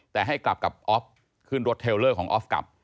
แต่ให้กลับกับออฟขึ้นรถเทลเลอร์ของออฟกลับ